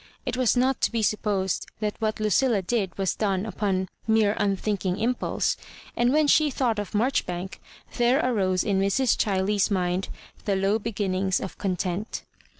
It was not to be supposed that what Lucilla did was done upon mere imthinking impulse, and when she thought of Marchbank, there arose in Mrs. Ghiley'a mind " the low beginning^ of content."